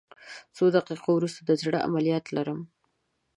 څو دقیقې وروسته د زړه عملیات لرم